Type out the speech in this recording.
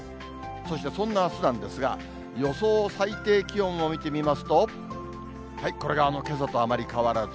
そしてそんなあすなんですが、予想最低気温を見てみますと、これがけさとあまり変わらず。